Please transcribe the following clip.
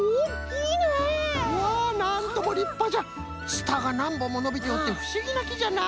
ツタがなんぼんものびておってふしぎなきじゃな。